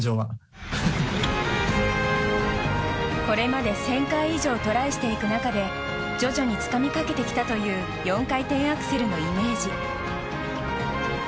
これまで１０００回以上トライしていく中で徐々につかみかけてきたという４回転アクセルのイメージ。